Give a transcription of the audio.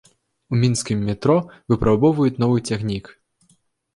У мінскім метро выпрабоўваюць новы цягнік.